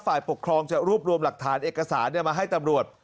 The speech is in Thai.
ฝ่ายปกครองจะรวบรวมหลักฐานเอกสารมาให้ตำรวจ